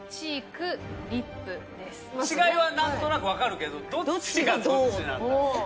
違いは何となく分かるけどどっちがどっちなんだ。